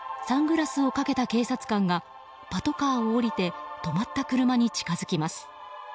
サングラスをかけた警察官がパトカーを降りて止まった車に近づきます。